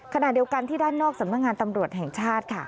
ขณะเดียวกันที่ด้านนอกสำนักงานตำรวจแห่งชาติค่ะ